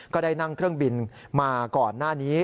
ก็ได้นั่งเครื่องบินมาก่อนหน้านี้